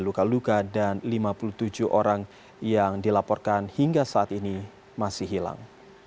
luka luka dan lima puluh tujuh orang yang dilaporkan hingga saat ini masih hilang